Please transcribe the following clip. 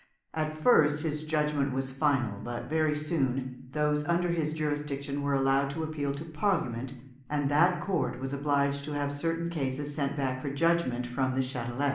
At first his judgment was final, but very soon those under his jurisdiction were allowed to appeal to Parliament, and that court was obliged to have certain cases sent back for judgment from the Châtelet.